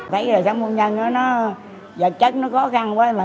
thấy là sống công nhân nó vật chất nó khó khăn quá